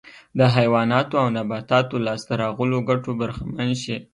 د حیواناتو او نباتاتو لاسته راغلو ګټو برخمن شي